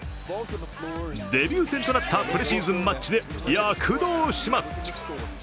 デビュー戦となったプレシーズンマッチで躍動します。